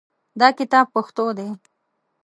دا کتاب پښتو دی